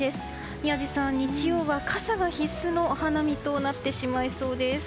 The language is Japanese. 宮司さん、日曜は傘が必須のお花見となりそうです。